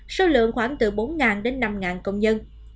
số lượng khoảng từ bốn đến năm công nhân